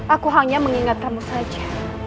aku hanya mengingat kamu saja